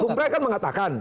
sumpah kan mengatakan